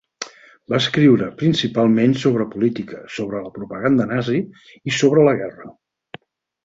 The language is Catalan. Va escriure principalment sobre política, sobre la propaganda nazi i sobre la guerra.